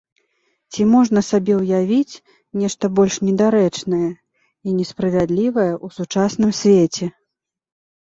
Ці можна сабе ўявіць нешта больш недарэчнае і несправядлівае ў сучасным свеце?